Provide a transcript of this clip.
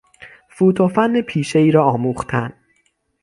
فوت و فن پیشهای را آموختن